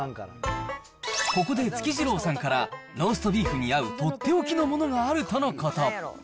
ここでつきじろうさんから、ローストビーフに合う取って置きのものがあるということ。